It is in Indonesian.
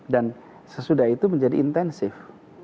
dan sesudah itu menjadi intensif